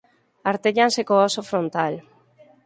Artéllanse co óso frontal.